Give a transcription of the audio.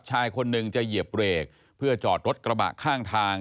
ชายคนหนึ่งจะเหยียบเบรกเพื่อจอดรถกระบะข้างทาง